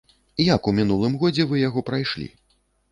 Як у мінулым годзе вы яго прайшлі?